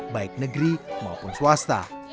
baik negeri maupun swasta